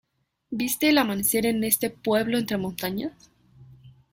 ¿Viste el amanecer en este pueblo entre montañas?